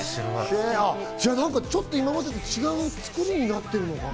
じゃあ、ちょっと今までと違う作りになってるのかな？